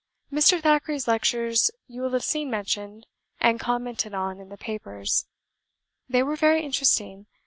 "Mr. Thackeray's lectures you will have seen mentioned and commented on in the papers; they were very interesting.